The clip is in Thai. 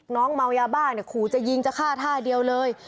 เมายาบ้าเนี่ยขู่จะยิงจะฆ่าท่าเดียวเลย